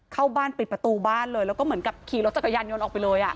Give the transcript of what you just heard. เข้าบ้านปิดประตูบ้านเลยแล้วก็เหมือนกับขี่รถจักรยานยนต์ออกไปเลย